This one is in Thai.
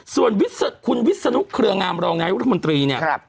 ส่วนคุณวิทยศนุกรเผลองามรองรายวิทยุทธิ์มนตรี